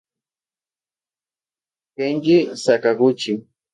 Kenji Sakaguchi